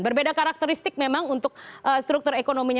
berbeda karakteristik memang untuk struktur ekonominya